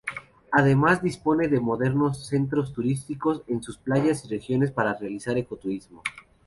Además, dispone de modernos centros turísticos en sus playas y regiones para realizar ecoturismo.